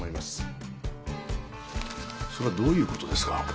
それはどういうことですか？